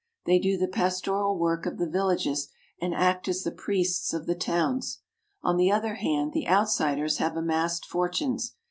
They do the pastoral work of the villages and act as the priests of the towns. On the other hand, the outsiders have amassed fortunes.